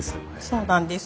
そうなんです。